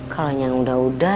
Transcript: kalau yang udah udah